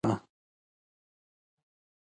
ماري وروسته د مېړه د ټینګار وروسته وپېژندل شوه.